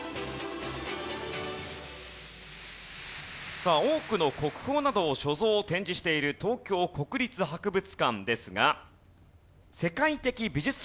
さあ多くの国宝などを所蔵展示している東京国立博物館ですが。